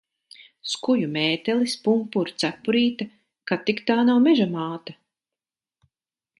Skuju mētelis, pumpuru cepurīte. Kad tik tā nav Meža māte?